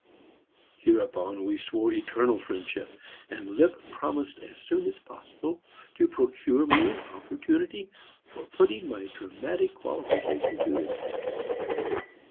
Hereupon we swore eternal friendship, and Lipp promised as soon as possible to procure me an opportunity for putting my dramatic qualifications to the test.